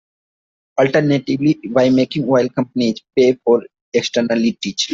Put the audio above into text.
Alternatively, by making oil companies pay for externalities.